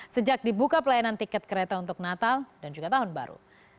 sejak dibuka pelayanan tiket kereta untuk natal dan juga tahun baru